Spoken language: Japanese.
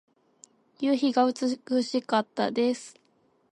夕日が美しかったです。